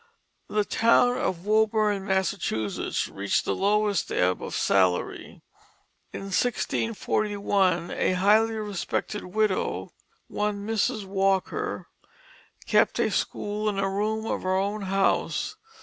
The town of Woburn, Massachusetts, reached the lowest ebb of salary. In 1641 a highly respected widow, one Mrs. Walker, kept a school in a room of her own house.